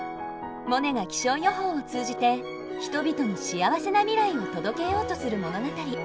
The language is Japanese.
モネが気象予報を通じて人々に幸せな未来を届けようとする物語。